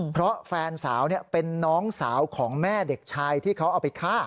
เพราะแฟนสาวเป็นน้องสาวของแม่เด็กชายที่เขาเอาไปฆ่า